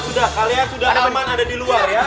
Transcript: sudah kalian sudah teman teman ada di luar ya